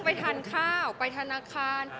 ไปทานข้าวไปธนาคาร